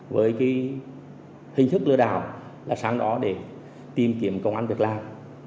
với cái hình thức lừa đào là sang đó để tìm kiếm công an việt nam